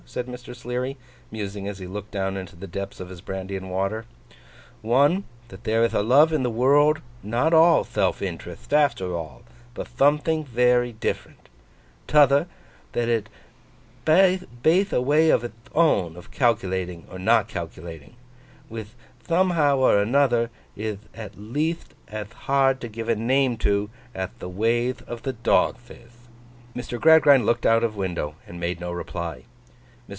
said Mr. Sleary, musing as he looked down into the depths of his brandy and water: 'one, that there ith a love in the world, not all Thelf interetht after all, but thomething very different; t'other, that it hath a way of ith own of calculating or not calculating, whith thomehow or another ith at leatht ath hard to give a name to, ath the wayth of the dogth ith!' Mr. Gradgrind looked out of window, and made no reply. Mr.